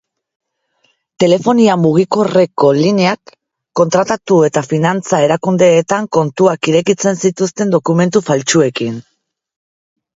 Telefonia mugikorreko lineak kontratatu eta finantza-erakundeetan kontuak irekitzen zituzten dokumentu faltsuekin.